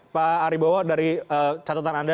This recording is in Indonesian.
pak aribowo dari catatan anda